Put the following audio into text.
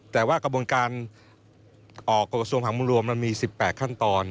แต่ว่ากระบวนการออกกรกษวงภาคมรวมมี๑๘ขั้นตอน